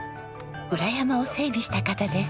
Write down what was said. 裏山を整備した方です。